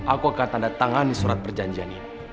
aku akan tanda tangani surat perjanjian ini